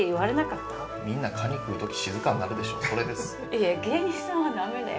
いやいや芸人さんはダメだよ。